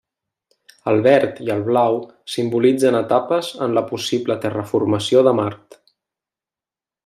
El verd i el blau simbolitzen etapes en la possible terraformació de Mart.